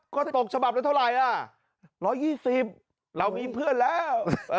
ก็ตกฉบับละเท่าไหร่อ่ะ๑๒๐เรามีเพื่อนแล้ว